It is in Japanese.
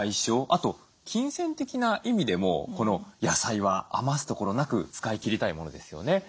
あと金銭的な意味でもこの野菜は余すところなく使い切りたいものですよね。